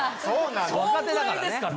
若手だからね。